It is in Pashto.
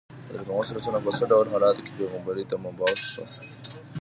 حضرت محمد په څه ډول حالاتو کې پیغمبرۍ ته مبعوث شو.